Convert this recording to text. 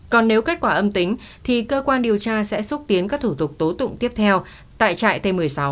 còn nếu kết quả âm tính thì cơ quan điều tra sẽ xúc tiến các thủ tục tố tụng tiếp theo tại trại t một mươi sáu